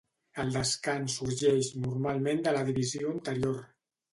El descans sorgeix normalment de la divisió anterior.